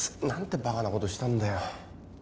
何てバカなことしたんだよ